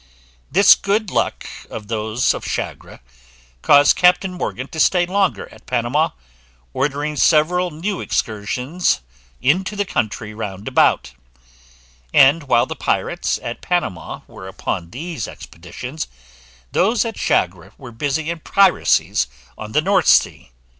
This good luck of those of Chagre caused Captain Morgan to stay longer at Panama, ordering several new excursions into the country round about; and while the pirates at Panama were upon these expeditions, those at Chagre were busy in piracies on the North Sea.